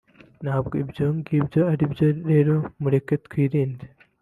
ntabwo ibyo ngibyo aribyo rero mureke twirinde